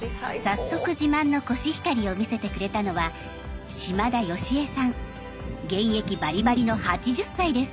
早速自慢のコシヒカリを見せてくれたのは現役バリバリの８０歳です。